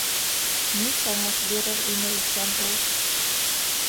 Ни кәңәш бирер ине икән ул?